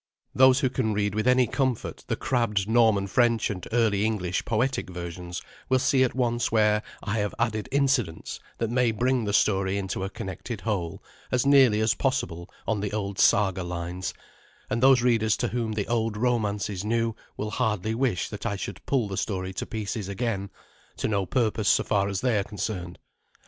Those who can read with any comfort the crabbed Norman French and Early English poetic versions will see at once where I have added incidents that may bring the story into a connected whole, as nearly as possible on the old Saga lines; and those readers to whom the old romance is new will hardly wish that I should pull the story to pieces again, to no purpose so far as they are concerned.